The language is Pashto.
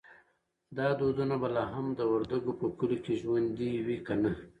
دا دودونه به لا هم د وردګو په کلیو کې ژوندی وي که نه؟